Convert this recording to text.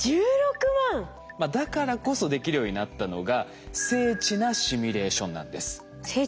だからこそできるようになったのが精緻なシミュレーション。